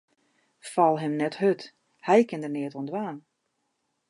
Fal him net hurd, hy kin der neat oan dwaan.